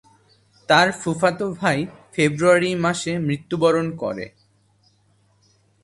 তার ফুফাতো ভাই ফেব্রুয়ারি মাসে মৃত্যুবরণ করে।